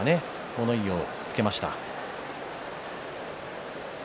物言いをつけました。